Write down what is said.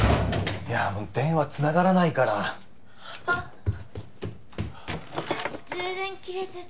いや電話つながらないからあっ充電切れてた